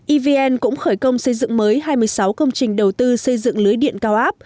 evn cũng khởi công xây dựng mới hai mươi sáu công trình đầu tư xây dựng lưới điện cao áp